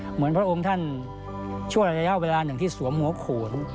เหมือนพระองค์ท่านช่วงระยะเวลาหนึ่งที่สวมหัวโขน